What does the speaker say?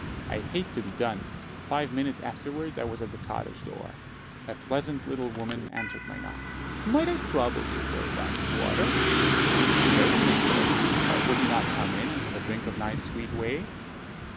I hate to be done. Five minutes afterwards I was at the cottage door. A pleasant little woman answered my knock. "Might I trouble you for a glass of water?" "Certainly, sir; but would you not come in, and have a drink of nice sweet whey?"